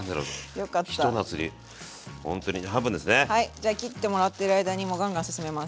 じゃあ切ってもらってる間にもうガンガン進めます。